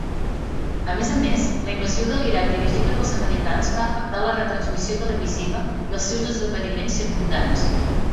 A més a més, la invasió de l'Iraq dirigida pels americans va afectar la retransmissió televisiva i els seus esdeveniments circumdants.